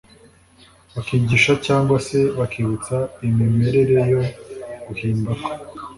bakigisha cyangwa se bakibutsa imimerere yo guhimba kwe